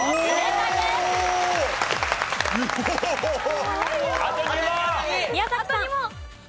宮崎さん。